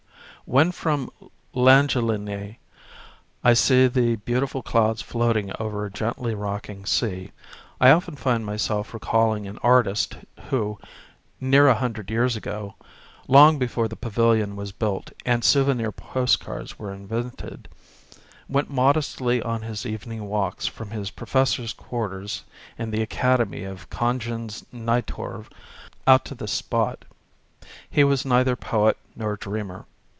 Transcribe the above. When from Langelinie I see the beautiful clouds floating over a gently rocking sea, I often find myself recalling an 34 artist who, near a hundred years ago, long before the Pavilon was built and souvenir postcards were invented, went modestly on his evening walks from his professor's quarters in the Academy at Kongens Nytorv out to this spot. He was neither poet nor dreamer.